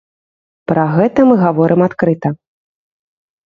Пра гэта мы гаворым адкрыта.